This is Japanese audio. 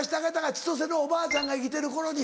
千とせのおばあちゃんが生きてる頃に。